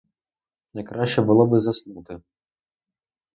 Найкраще було би заснути.